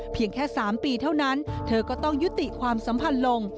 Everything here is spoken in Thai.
แค่๓ปีเท่านั้นเธอก็ต้องยุติความสัมพันธ์ลง